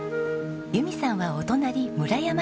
由美さんはお隣村山市へ。